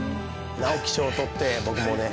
直木賞を取って僕もね